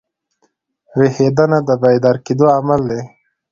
ویښېدنه د بیدار کېدو عمل دئ.